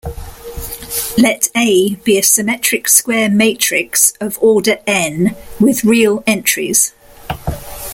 Let "A" be a symmetric square matrix of order "n" with real entries.